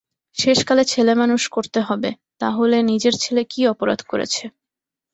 শেষকালে ছেলে মানুষ করতে হবে, তা হলে নিজের ছেলে কী অপরাধ করেছে!